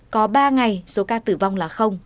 có ba ngày số ca tử vong là